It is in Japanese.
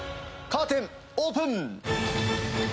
カーテンオープン！